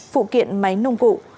phụ kiện máy nông cụ